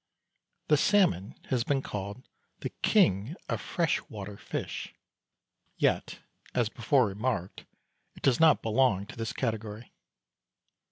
The salmon has been called the "king of fresh water fish," yet, as before remarked, it does not belong to this category.